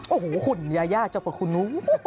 โอ้โหคุณยาย่าเจ้าประคุณนุ้ง